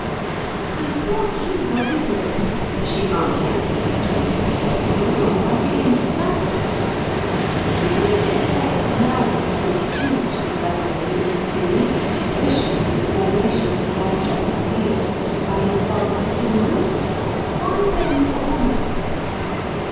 "I thought you were with us," she answered with a twinkle; "now, I begin to doubt it. You don't expect a man of twenty two to be governed in all things, especially in the formation of his abstract ideas, by his father's opinions. Why then a woman?"